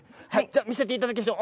見せていただきましょう。